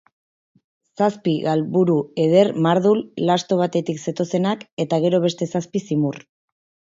Zazpi galburu eder mardul, lasto batetik zetozenak; eta gero beste zazpi zimur.